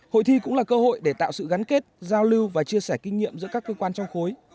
hội thi cũng là cơ hội để tạo sự gắn kết giao lưu và chia sẻ kinh nghiệm giữa các cơ quan trong khối